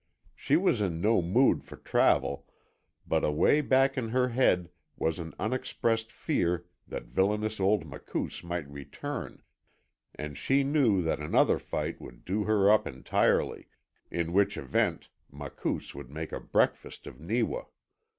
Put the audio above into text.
She was in no mood for travel, but away back in her head was an unexpressed fear that villainous old Makoos might return, and she knew that another fight would do her up entirely, in which event Makoos would make a breakfast of Neewa.